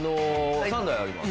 ３台あります。